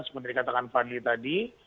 seperti yang katakan fadli tadi